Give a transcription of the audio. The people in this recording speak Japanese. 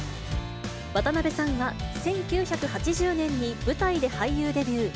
渡辺さんは１９８０年に舞台で俳優デビュー。